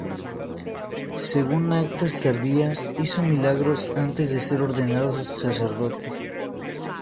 Según actas tardías, hizo milagros antes de ser ordenado sacerdote.